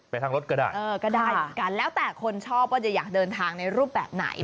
ทางรถก็ได้เออก็ได้เหมือนกันแล้วแต่คนชอบว่าจะอยากเดินทางในรูปแบบไหน